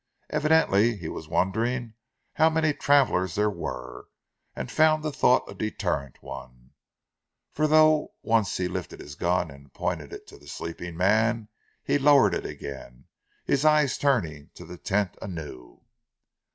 Evidently he was wondering how many travellers there were; and found the thought a deterrent one; for though once he lifted his gun and pointed it to the sleeping man, he lowered it again, his eyes turning to the tent anew.